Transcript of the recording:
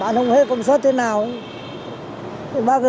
nhưng ở đây đổ xăng làm về dạy dàn